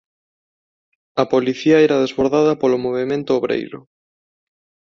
A policía era desbordada polo movemento obreiro.